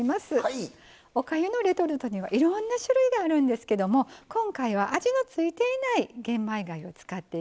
おかゆのレトルトにはいろんな種類があるんですけども今回は味の付いていない玄米がゆを使っていきます。